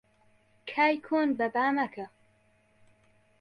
کای کۆن بەبا مەکە